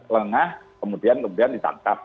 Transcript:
lengah kemudian ditangkap